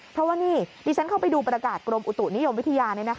เพราะว่านี่ดิฉันเข้าไปดูประกาศกรมอุตุนิยมวิทยา